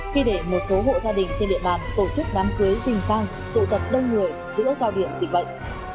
khi để một số hộ gia đình trên địa bàn tổ chức đám cưới dình tăng tụ tập đông người giữa cao điểm dịch bệnh